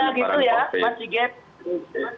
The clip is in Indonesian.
bapak itu menghina gitu ya pak sigit